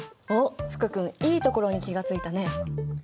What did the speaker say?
おっ福君いいところに気が付いたね。